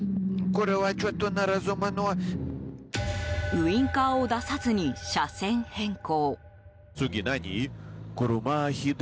ウィンカーを出さずに車線変更。